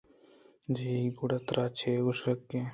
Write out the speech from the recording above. چی؟ گڑا ترا چے شک اِنت